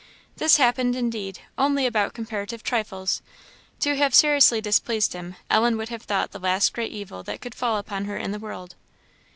This happened, indeed, only about comparative trifles; to have seriously displeased him Ellen would have thought the last great evil that could fall upon her in the world.